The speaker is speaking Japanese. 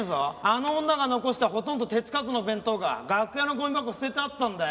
あの女が残したほとんど手つかずの弁当が楽屋のゴミ箱に捨ててあったんだよ。